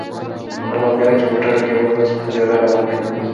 هغه ملګری چې په موټر کې و، اوس په پیاده روان دی.